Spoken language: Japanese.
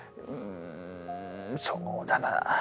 そうだな。